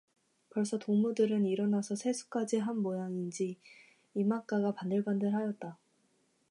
벌써 동무들은 일어나서 세수까지 한 모양인지 이맛가가 반들반들하였다.